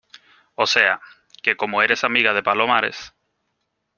o sea, que como eres amiga de Palomares